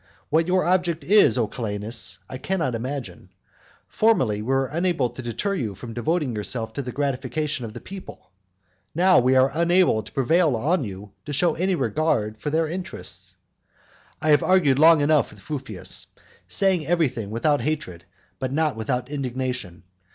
What your object is, O Calenus, I cannot imagine. Formerly we were unable to deter you from devoting yourself to the gratification of the people; now we are unable to prevail on you to show any regard for their interests. I have argued long enough with Fufius, saying everything without hatred, but nothing without indignation.